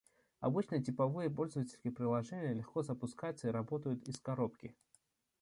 Обычные типовые пользовательские приложения легко запускаются и работают «из коробки»